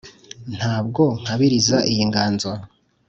Ntabwo nkabiriza iyi nganzo